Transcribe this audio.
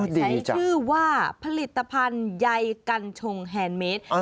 ใช้ชื่อว่าผลิตภัณฑ์ใยกัญชงแฮนดเมตร